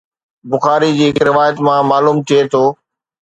بخاري جي هڪ روايت مان معلوم ٿئي ٿو